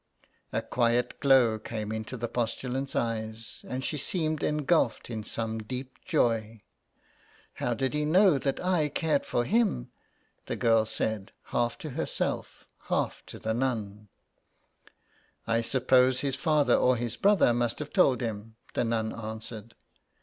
A quiet glow came into the postulant's eyes, and she seemed engulfed in some deep joy. '' How did he know that I cared for him ?" the girl said, half to herself, half to the nun. 146 THE EXILE. " I suppose his father or his brother must have told him," the nun answered.